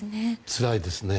つらいですね。